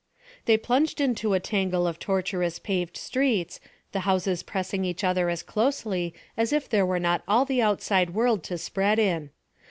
They plunged into a tangle of tortuous paved streets, the houses pressing each other as closely as if there were not all the outside world to spread in.